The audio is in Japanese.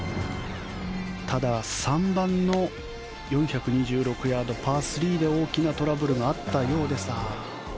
ただ、３番の４２６ヤードパー３で大きなトラブルがあったようです。